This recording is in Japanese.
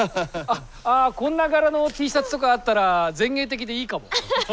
あこんな柄のＴシャツとかあったら前衛的でいいかも。